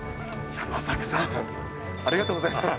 山作さん、ありがとうございます。